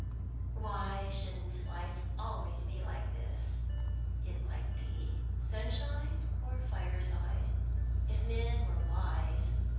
"Why shouldn't life be always like this? It might be sunshine or fireside if men were wise.